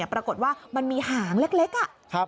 ปรากฏว่ามันมีหางเล็ก